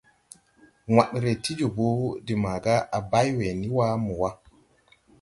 Wããd ree ti jòbō de màgà à bày wɛ ni wa mo wa.